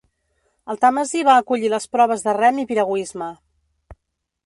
El Tàmesi va acollir les proves de rem i piragüisme.